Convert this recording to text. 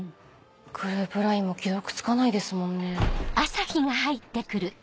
グループＬＩＮＥも既読つかないですもんね。